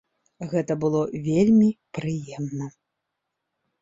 Гэта было вельмі прыемна!